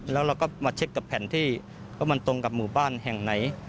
แล้วเราก็มาเช็คกับแผนที่ว่ามันตรงกับหมู่บ้านแห่งไหน